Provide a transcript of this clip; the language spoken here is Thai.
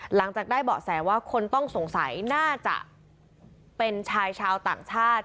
หลังจากได้เบาะแสว่าคนต้องสงสัยน่าจะเป็นชายชาวต่างชาติ